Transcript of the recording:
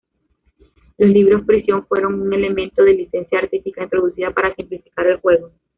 Los Libros Prisión fueron un elemento de licencia artística, introducida para simplificar el juego.